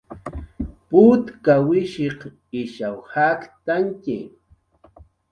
Putkawishiq ishaw jaktantantxi